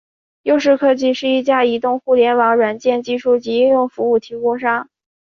优视科技是一家移动互联网软件技术及应用服务提供商。